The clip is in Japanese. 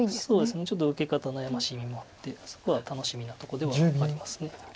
そうですねちょっと受け方悩ましい意味もあってそこは楽しみなとこではあります。